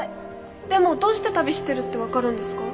でもどうして旅してるってわかるんですか？